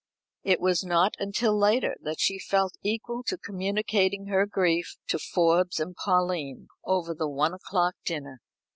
It was not until later that she felt equal to communicating her grief to Forbes and Pauline, over the one o'clock dinner.